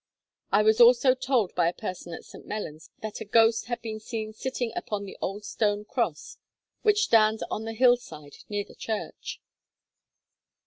I was also told by a person at St. Mellons that a ghost had been seen sitting upon the old stone cross which stands on the hillside near the church.